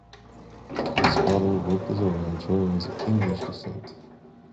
His father worked as a rancher and was of English descent.